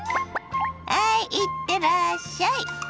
ハイいってらっしゃい。